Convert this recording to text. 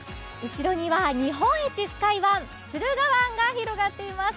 後ろには日本一深い湾、駿河湾が広がっています。